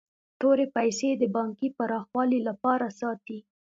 نورې پیسې د پانګې پراخوالي لپاره ساتي